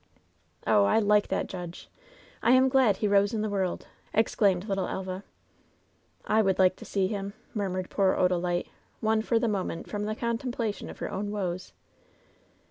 " ^'Oh, I like that judge! I am glad he rose in the world 1'^ exclaimed little Elva. "I would like to see him," murmured poor Odalite, won for the moment from the contemplation of her own woes.